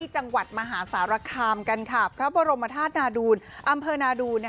จังหวัดมหาสารคามกันค่ะพระบรมธาตุนาดูลอำเภอนาดูน